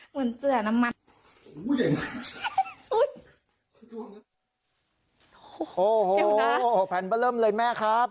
เหมือนเสือน้ำมันโอ้โหแผ่นเบอร์เริ่มเลยแม่ครับ